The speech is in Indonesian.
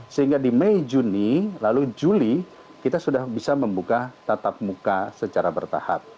sehingga di mei juni lalu juli kita sudah bisa membuka tatap muka secara bertahap